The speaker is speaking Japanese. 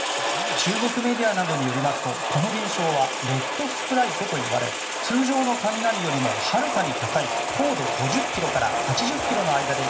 中国メディアなどによりますとこの現象はレッドスプライトと呼ばれ通常の雷よりもはるかに高い高度５０ｋｍから８０ｋｍの間で